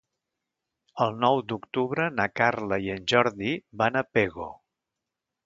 El nou d'octubre na Carla i en Jordi van a Pego.